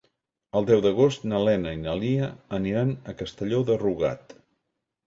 El deu d'agost na Lena i na Lia aniran a Castelló de Rugat.